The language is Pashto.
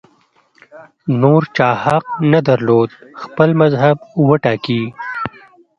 نور چا حق نه درلود خپل مذهب وټاکي